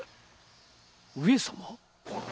上様？